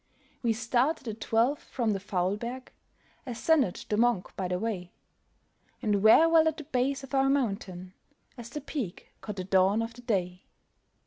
We started at twelve from the Faulberg; Ascended the Monch by the way; And were well at the base of our mountain, As the peak caught the dawn of the day.